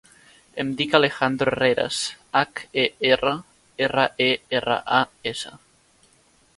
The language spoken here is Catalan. Em dic Alejandro Herreras: hac, e, erra, erra, e, erra, a, essa.